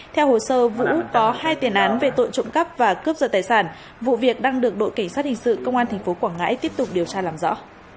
theo hồ sơ vũ có hai tiền án về tội trộm cắp và cướp giật tài sản vụ việc đang được đội cảnh sát hình sự công an tp quảng ngãi tiếp tục điều tra làm rõ